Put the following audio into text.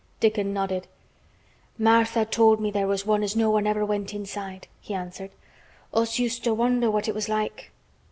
Dickon nodded. "Martha told me there was one as no one ever went inside," he answered. "Us used to wonder what it was like."